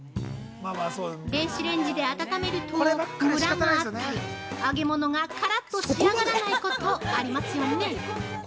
◆電子レンジで温めるとムラがあったり、揚げ物がカラッと仕上がらないことありますよね？